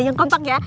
yang kompak ya